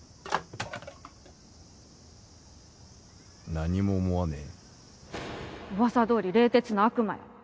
何も思わねえ！うわさどおり冷徹な悪魔やわ！